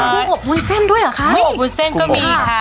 ครับคุณบอกวุ้นเส้นด้วยหรอคะคุณบอกวุ้นเส้นก็มีค่ะ